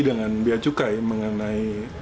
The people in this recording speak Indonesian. dengan biaya cukai mengenai